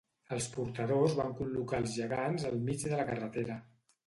Els portadors van col·locar els gegants al mig la de carretera